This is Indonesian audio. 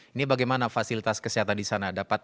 ini bagaimana fasilitas kesehatan di sana